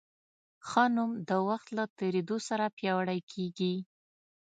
ښه نوم د وخت له تېرېدو سره پیاوړی کېږي.